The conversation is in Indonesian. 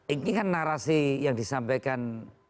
ini kan narasi yang disampaikan